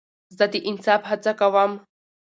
زه د انصاف هڅه کوم.